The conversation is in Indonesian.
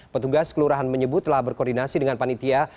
petugas kelurahan menyebut telah berkoordinasi dengan panitia